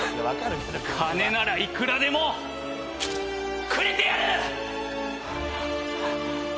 金ならいくらでもくれてやる！